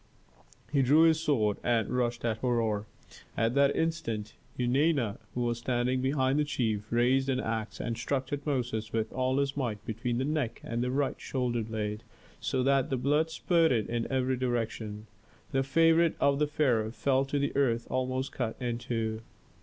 He drew his sword and rushed at Herhor. At that instant Eunana, who was standing behind the chief, raised an axe and struck Tutmosis with all his might between the neck and the right shoulder blade, so that the blood spurted in every direction. The favorite of the pharaoh fell to the earth almost cut in two.